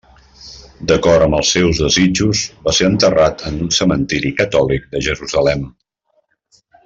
D'acord amb els seus desitjos va ser enterrat en un cementiri catòlic de Jerusalem.